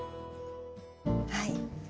はい。